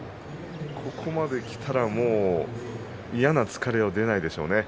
ここまできたら嫌な疲れは出ないでしょうね。